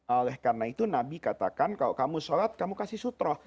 oleh karena itu nabi katakan kalau kamu sholat kamu kasih sutroh